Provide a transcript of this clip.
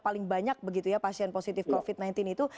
paling banyak begitu ya pasien positif covid sembilan belas itu